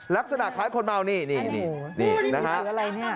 ลักษณะคล้ายคนมาเอานี่นี่นะครับ